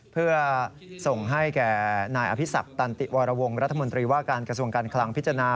เพื่อส่งให้แก่นายอภิษักตันติวรวงรัฐมนตรีว่าการกระทรวงการคลังพิจารณา